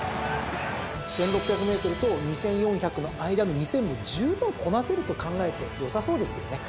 １，６００ｍと２，４００の間の２，０００もじゅうぶんこなせると考えてよさそうですよね。